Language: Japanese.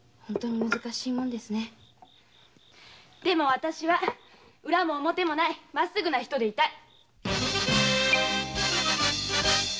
でもわたしは裏も表もないまっすぐな人でいたい。